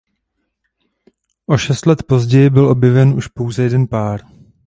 O šest let později byl objeven už pouze jeden pár.